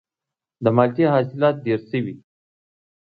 د مالټې حاصلات ډیر شوي؟